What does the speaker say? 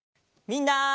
みんな！